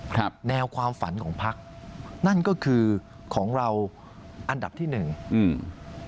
ครับแนวความฝันของพักนั่นก็คือของเราอันดับที่หนึ่งอืม